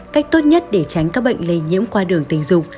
cách tốt nhất để tránh các bệnh lây nhiễm qua đường tình dục